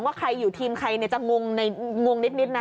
ว่าใครอยู่ทีมใครจะงงนิดนะ